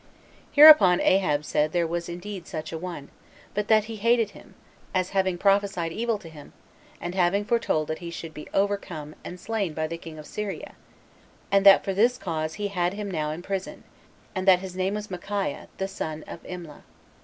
Hereupon Ahab said there was indeed such a one, but that he hated him, as having prophesied evil to him, and having foretold that he should be overcome and slain by the king of Syria, and that for this cause he had him now in prison, and that his name was Micaiah, the son of Imlah.